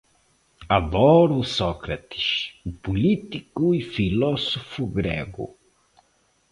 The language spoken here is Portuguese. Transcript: Adoro o Sócrates, o político e o filósofo grego.